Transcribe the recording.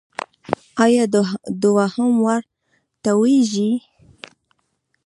ایا دوهم وار توییږي؟